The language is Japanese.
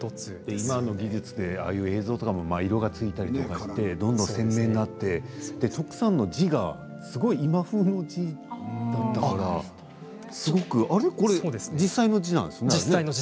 今の技術で映像に色がついたりしてどんどん鮮明になって徳さんの文字が今風の文字だったから実際のものです。